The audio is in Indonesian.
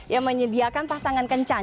yang menyediakan pasangan kencan